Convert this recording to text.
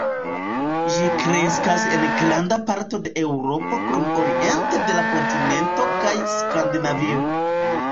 Ĝi kreskas en granda parto de Eŭropo krom oriente de la kontinento kaj Skandinavio.